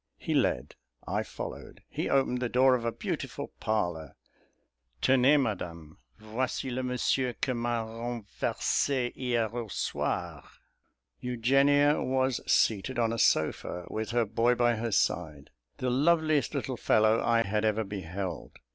He led, I followed; he opened the door of a breakfast parlour "tenez, Madame, voici le Monsieur que m'a renversé hier au soi." Eugenia was seated on a sofa, with her boy by her side, the loveliest little fellow I had ever beheld.